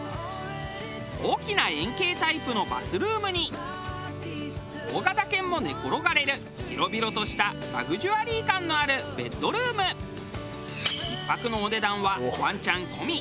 大きな円形タイプのバスルームに大型犬も寝転がれる広々としたラグジュアリー感のある１泊のお値段はワンちゃん込み